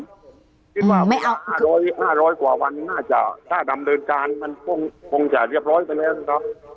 คิดว่า๕๐๐กว่าวันน่าจะถ้าทำเรินการมันคงจะเรียบร้อยไปแล้วครับ